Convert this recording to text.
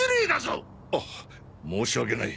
あっ申し訳ない。